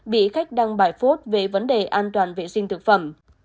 bị khách đăng bài phút về vấn đề an toàn vệ sinh thực phẩm